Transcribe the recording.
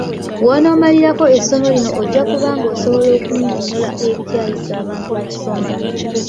W'onaamalirako essomo lino ojja kuba ng'osobola okunnyonnyola ebikyayisa abantu okusoma.